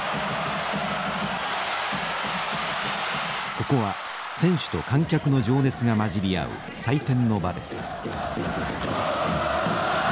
ここは選手と観客の情熱が混じり合う祭典の場です。